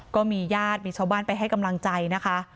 ก็มีญาติมีชาวบ้านไปให้กำลังใจนะคะ